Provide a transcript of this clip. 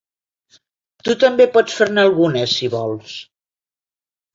Tu també pots fer-ne algunes, si vols.